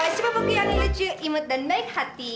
sipapuku yang lucu imut dan baik hati